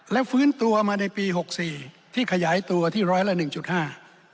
และฟื้นตัวมาในปี๖๔ที่ขยายตัวที่ร้อยละ๑๕